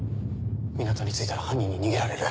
港に着いたら犯人に逃げられる。